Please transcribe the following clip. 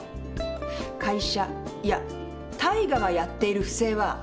会社いや大我がやっている不正は株の名義借りよ。